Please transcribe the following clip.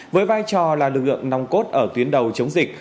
với vai trò là lực lượng nòng cốt ở tuyến đầu chống dịch